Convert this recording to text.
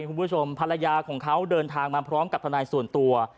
คุณผู้ชมภรรยาของเขาเดินทางมาพร้อมกับทนายส่วนตัว